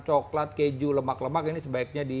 coklat keju lemak lemak ini sebaiknya di